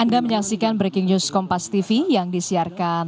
anda menyaksikan breaking news kompas tv yang disiarkan